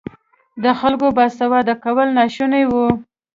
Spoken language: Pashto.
د خلکو باسواده کول ناشوني وو.